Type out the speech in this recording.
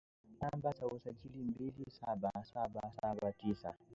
mwenye namba za usajili mbili saba saba saba tisa